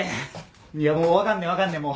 いやもう分かんねえ分かんねえもう。